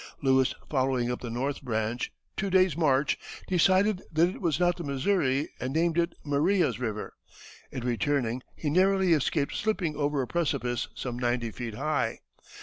Lewis following up the north branch, two days' march, decided that it was not the Missouri, and named it Maria's River. In returning he narrowly escaped slipping over a precipice some ninety feet high.